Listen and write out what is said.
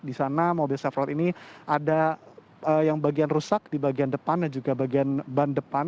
di sana mobil safer ini ada yang bagian rusak di bagian depan dan juga bagian ban depan